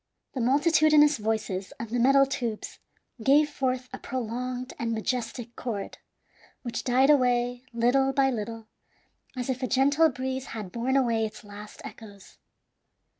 The multitudinous voices of the metal tubes gave forth a prolonged and majestic chord, which died away little by little, as if a gentle breeze had borne away its last echoes.